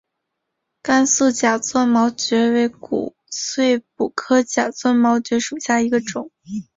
甘肃假钻毛蕨为骨碎补科假钻毛蕨属下的一个种。